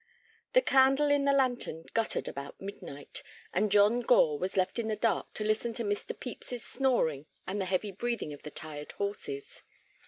The candle in the lantern guttered about midnight, and John Gore was left in the dark to listen to Mr. Pepys's snoring and the heavy breathing of the tired horses.